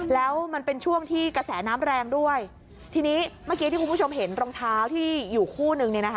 แล้วมันเป็นช่วงที่กระแสน้ำแรงด้วยทีนี้เมื่อกี้ที่คุณผู้ชมเห็นรองเท้าที่อยู่คู่นึงเนี่ยนะคะ